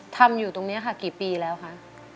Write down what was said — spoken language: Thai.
ทำอยู่ตรงนี้ค่ะกี่ปีแล้วคะ